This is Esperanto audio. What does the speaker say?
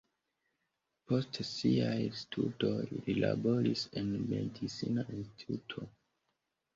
Post siaj studoj li laboris en medicina instituto.